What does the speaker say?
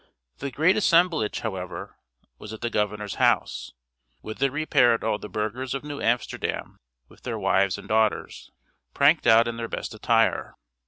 The great assemblage, however, was at the governor's house, whither repaired all the burghers of New Amsterdam with their wives and daughters, pranked out in their best attire.